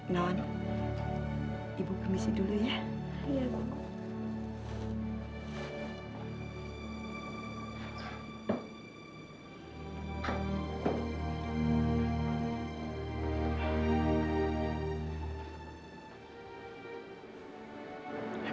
nona ibu kemisi dulu ya